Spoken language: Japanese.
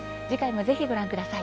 ぜひ、ご覧ください。